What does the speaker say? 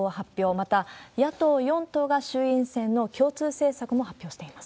また、野党４党が衆院選の共通政策も発表しています。